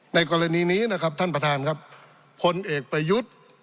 ในกรณีนี้นะครับท่านประธานครับพลเอกประยุทธ์